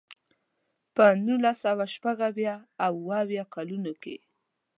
په نولس سوه شپږ اویا او اوه اویا کلونو کې.